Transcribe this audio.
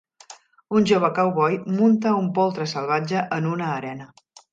Un jove cowboy munta un poltre salvatge en una arena.